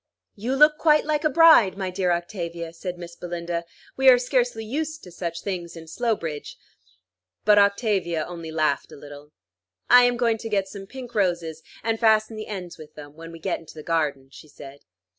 "You look quite like a bride, my dear Octavia," said Miss Belinda. "We are scarcely used to such things in Slowbridge." But Octavia only laughed a little. "I am going to get some pink roses, and fasten the ends with them, when we get into the garden," she said.